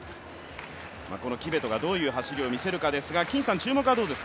キベトがどういう走りを見せるかですが、注目は？